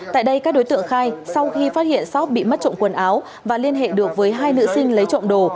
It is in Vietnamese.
tại đây các đối tượng khai sau khi phát hiện shop bị mất trộm quần áo và liên hệ được với hai nữ sinh lấy trộm đồ